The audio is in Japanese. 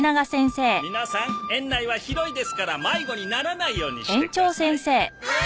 皆さん園内は広いですから迷子にならないようにしてください。